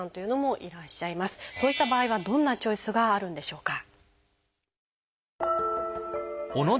そういった場合はどんなチョイスがあるんでしょうか？